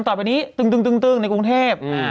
ต่อไปนี้ตึงในกรุงเทพ